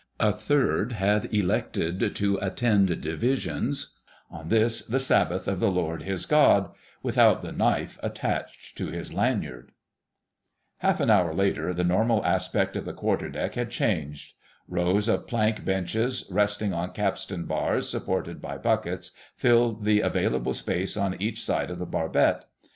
A third had elected to attend Divisions—on this the Sabbath of the Lord his God—without the knife attached to his lanyard. Half an hour later the normal aspect of the Quarter deck had changed. Rows of plank benches, resting on capstan bars supported by buckets, filled the available space on each side of the barbette.